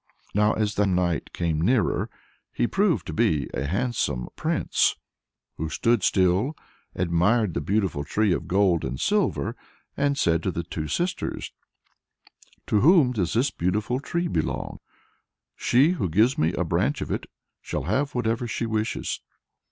Now, as the knight came nearer, he proved to be a handsome prince, who stood still, admired the beautiful tree of gold and silver, and said to the two sisters "To whom does this beautiful tree belong? She who gives me a branch of it shall have whatever she wishes."